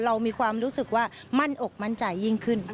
เรามีความรู้สึกว่ามั่นอกมั่นใจยิ่งขึ้น